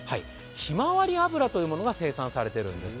ひまわり油というものが生産されているんです。